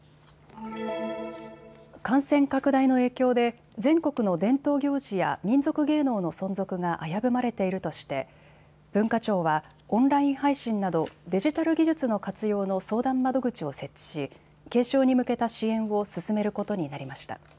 感染拡大の影響で全国の伝統行事や民俗芸能の存続が危ぶまれているとして文化庁はオンライン配信などデジタル技術の活用の相談窓口を設置し、継承に向けた支援を進めることになりました。